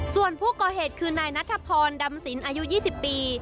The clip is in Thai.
ส่วนผู้ก่อเหตุคือนายนัทพรดำสินอายุ๒๐ปี